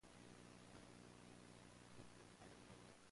These were commercial vans.